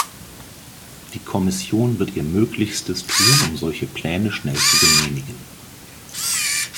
Die Kommission wird ihr Möglichstes tun, um solche Pläne schnell zu genehmigen.